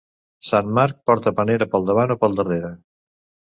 Sant Marc porta panera pel davant o pel darrere.